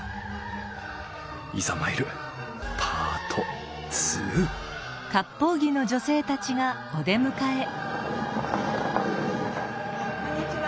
いざ参るパート２こんにちは。